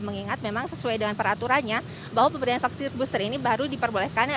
mengingat memang sesuai dengan peraturannya bahwa pemberian vaksin booster ini baru diperbolehkan